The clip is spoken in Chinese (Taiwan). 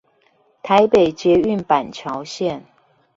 台北捷運板橋線